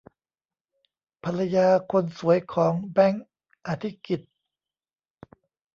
ภรรยาคนสวยของ แบงค์ อธิกิตติ์